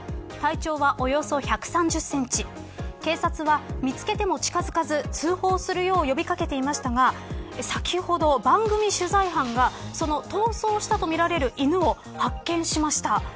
体長は、およそ１３０センチ警察は見つけても近づかず通報するよう呼び掛けていましたが先ほど、番組取材班がその逃走したとみられる犬を発見しました。